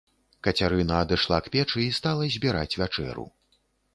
Кацярына адышла к печы і стала збіраць вячэру.